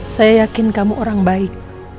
saya yakin kamu orang baik